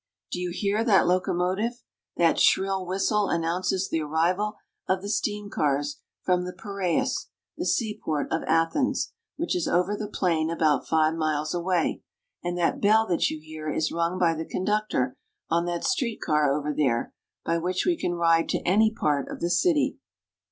Do you hear that locomotive ? That shrill whistle an nounces the arrival of the steam cars from The Piraeus (pl re'us), the seaport of Athens, which is over the plain about five miles away ; and that bell that you hear is rung by the conductor on that street car over there, by which we can ride to any part of the city.